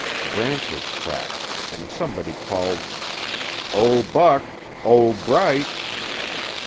Branches cracked and somebody called, "Oh, Buck! Oh, Bright!"